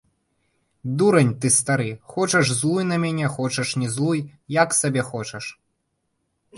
Дурань ты стары, хочаш злуй на мяне, хочаш не злуй, як сабе хочаш!